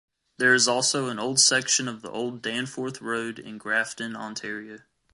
There is also an old section of the old Danforth Road in Grafton, Ontario.